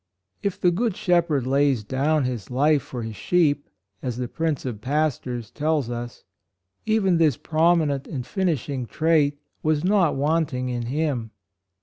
If the good shepherd lays down his life for his sheep, as the Prince of Pastors tells us, even this promi HIS TRIALS. 127 nent and finishing trait was not wanting in him.